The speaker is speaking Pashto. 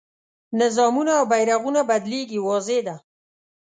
نظامونه او بیرغونه بدلېږي واضح ده.